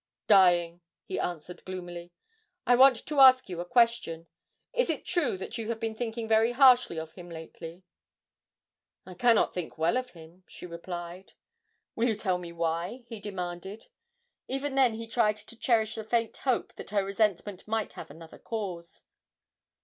'Dying,' he answered gloomily. 'I want to ask you a question is it true that you have been thinking very harshly of him lately?' 'I cannot think well of him,' she replied. 'Will you tell me why?' he demanded. Even then he tried to cherish the faint hope that her resentment might have another cause.